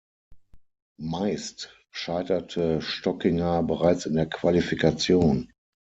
Meist scheiterte Stockinger bereits in der Qualifikation.